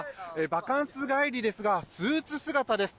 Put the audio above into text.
バカンス帰りですがスーツ姿です。